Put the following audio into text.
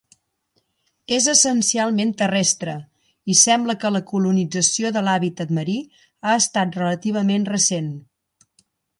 És essencialment terrestre, i sembla que la colonització de l'hàbitat marí ha estat relativament recent.